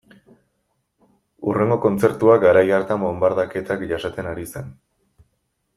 Hurrengo kontzertua garai hartan bonbardaketak jasaten ari zen.